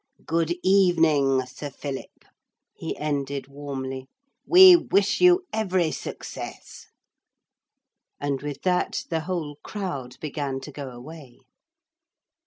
Good evening, Sir Philip,' he ended warmly. 'We wish you every success.' And with that the whole crowd began to go away.